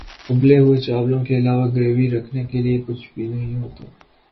اُبلے ہوئے چاولوں کے علاوہ گروی رکھنے کے لیے کچھ بھی نہیں ہوتا